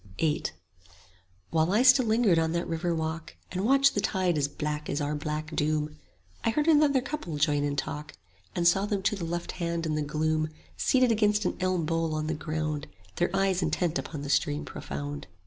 VIII While I still lingered on that river walk, And watched the tide as black as our black doom, I heard another couple join in talk, And saw them to the left hand in the gloom Seated against an elm bole on the ground, 5 Their eyes intent upon the stream profound.